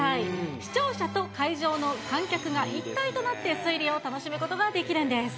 視聴者と会場の観客が一体となって推理を楽しむことができるんです。